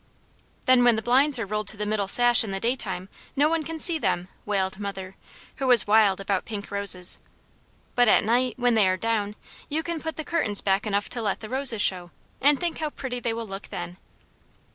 "Then when the blinds are rolled to the middle sash in the daytime no one can see them," wailed mother, who was wild about pink roses. "But at night, when they are down, you can put the curtains back enough to let the roses show, and think how pretty they will look then."